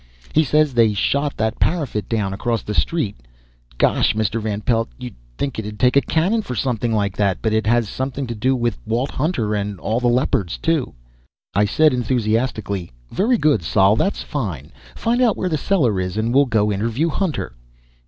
He says they shot that parapet down across the street. Gosh, Mr. Van Pelt, you'd think it'd take a cannon for something like that. But it has something to do with Walt Hutner and all the Leopards, too." I said enthusiastically, "Very good, Sol. That's fine. Find out where the cellar is, and we'll go interview Hutner."